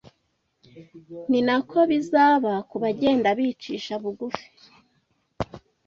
Ni nako bizaba ku bagenda bicisha bugufi